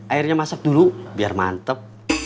airnya masak dulu biar mantep